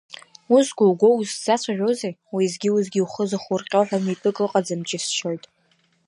Ус гәоугәоу узсацәажәозеи, уеизгьы-уеизгьы ухы зыхурҟьо ҳәа митәык ыҟам џьысшьоит.